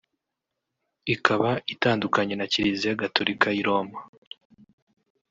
ikaba itandukanye na Kiliziya Gatulika y’i Roma